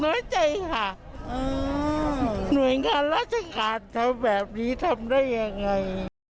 น้อยใจค่ะหน่วยงานราชการทำแบบนี้ทำได้ยังไง